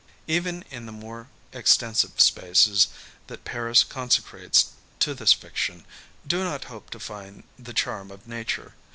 Even in the more extensive spaces that Paris consecrates to this fiction, do not hope to find the charm of Nature.